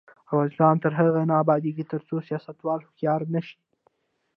افغانستان تر هغو نه ابادیږي، ترڅو سیاستوال هوښیار نشي.